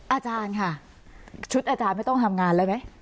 อาจารย์ค่ะชุดอาจารย์ไม่ต้องทำงานแล้วไหม